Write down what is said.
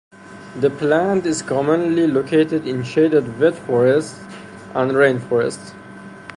The plant is commonly located in shaded wet forests and rainforests.